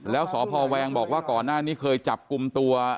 แล้วสพแวงบอกว่าก่อนหน้านี้เคยจับกลุ่มตัว